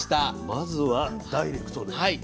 まずはダイレクトで。